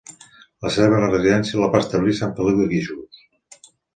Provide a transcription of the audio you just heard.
La seva residència la va establir a Sant Feliu de Guíxols.